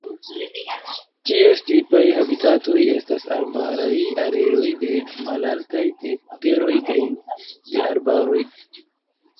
Ties tipaj habitatoj estas arbaraj areoj de malaltaj teroj kaj de arbaroj.